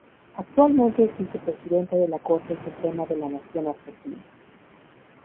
Actualmente es vicepresidenta de la Corte Suprema de la Nación Argentina.